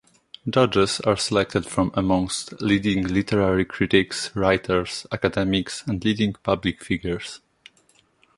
Judges are selected from amongst leading literary critics, writers, academics and leading public figures.